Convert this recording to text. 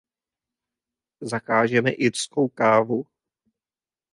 Zakážeme irskou kávu?